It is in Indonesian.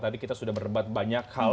tadi kita sudah berdebat banyak hal